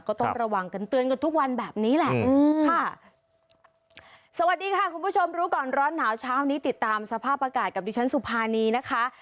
ก็ต้องระวังกันเตือนกันทุกวันแบบนี้แหละค่ะสวัสดีค่ะคุณผู้ชมรู้ก่อนร้อนหนาวเช้านี้ติดตามสภาพอากาศกับดิฉันสุภานีนะคะ